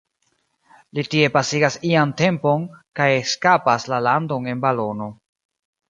Li tie pasigas ian tempon, kaj eskapas la landon en balono.